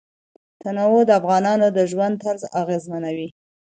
تنوع د افغانانو د ژوند طرز اغېزمنوي.